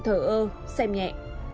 thở ơ xem nhẹ